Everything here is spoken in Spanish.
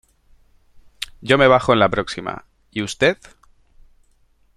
Yo me bajo en la próxima, ¿y usted?